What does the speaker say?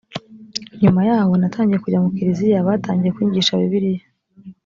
nyuma yaho natangiye kujya mu kiliziya batangiye kunyigisha bibiliya